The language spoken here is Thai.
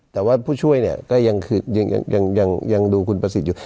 แต่ว่าผู้ช่วยเนี้ยก็ยังคือยังยังยังดูคุณประสิทธิ์อยู่